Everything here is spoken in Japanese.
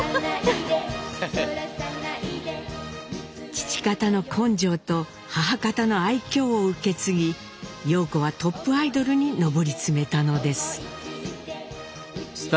父方の根性と母方の愛きょうを受け継ぎ陽子はトップアイドルに上り詰めたのです。